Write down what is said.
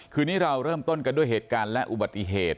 คืนนี้เราเริ่มต้นกันด้วยเหตุการณ์และอุบัติเหตุ